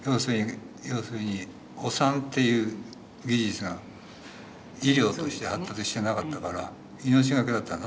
要するにお産っていう技術が医療として発達してなかったから命懸けだったんだな